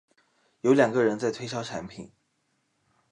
有两个人在推销产品